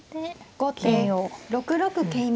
後手６六桂馬。